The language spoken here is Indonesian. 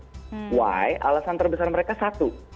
y alasan terbesar mereka satu